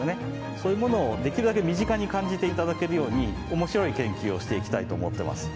そういうものをできるだけ身近に感じていただけるように面白い研究をしていきたいと思ってます。